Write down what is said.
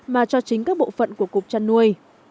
mà cho chính các bộ phận của cục chăn nuôi